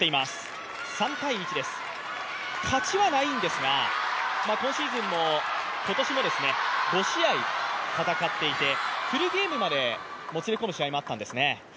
勝ちはないんですが、今年も５試合戦っていて、フルゲームまでもつれ込む試合もあったんですね。